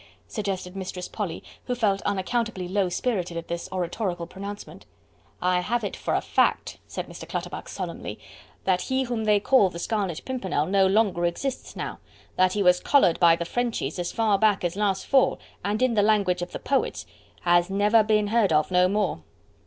suggested Mistress Polly, who felt unaccountably low spirited at this oratorical pronouncement. "I have it for a fact," said Mr. Clutterbuck solemnly, "that he whom they call the Scarlet Pimpernel no longer exists now: that he was collared by the Frenchies, as far back as last fall, and in the language of the poets, has never been heard of no more."